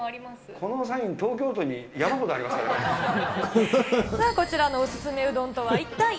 このサイン、さあ、こちらのお勧めうどんとは一体？